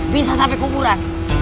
bisa sampai kuburan